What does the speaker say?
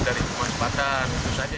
dari rumah sebatan